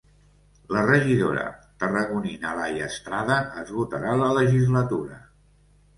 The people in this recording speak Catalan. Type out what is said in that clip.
La regidora tarragonina Laia Estrada esgotarà la legislatura.